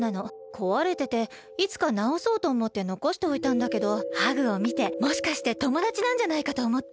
こわれてていつかなおそうとおもってのこしておいたんだけどハグをみてもしかしてともだちなんじゃないかとおもって。